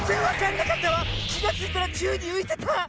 きがついたらちゅうにういてた。